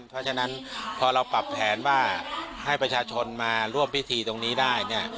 เพราะฉะนั้นพอเราปรับแผนว่าให้ประชาชนมาร่วมพิธีตรงนี้ได้เนี่ย